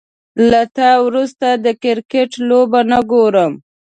له تا وروسته، د کرکټ لوبه نه ګورم